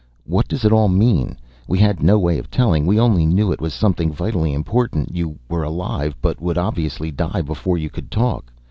What does it all mean? We had no way of telling. We only knew it was something vitally important. You were alive, but would obviously die before you could talk.